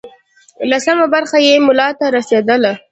لسمه برخه یې ملا ته رسېدله.